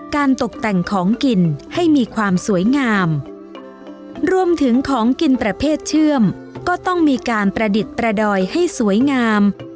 ตกแต่งของกินให้มีความสวยงามรวมถึงของกินประเภทเชื่อมก็ต้องมีการประดิษฐ์ประดอยให้สวยงาม